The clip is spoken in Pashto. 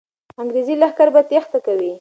انګریزي لښکر به تېښته کوي.